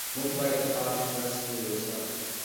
موږ باید د ښار شنه سیمې وساتو